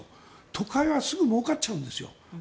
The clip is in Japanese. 都会はすぐに儲かっちゃうんです。